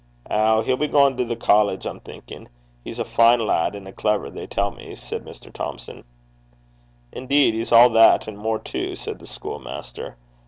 'Ow! he'll be gaein' to the college, I'm thinkin'. He's a fine lad, and a clever, they tell me,' said Mr. Thomson. 'Indeed, he's all that, and more too,' said the school master.